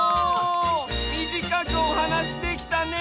みじかくおはなしできたね！